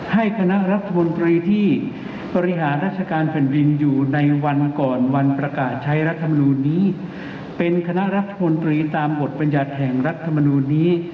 ให้คณะรัฐมนตรีที่บริหารราชการแผ่นดินอยู่ในวันก่อนวันประกาศใช้รัฐมนูลนี้เป็นคณะรัฐมนตรีตามบทบรรยัติแห่งรัฐมนูลนี้